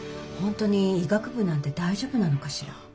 本当に医学部なんて大丈夫なのかしら。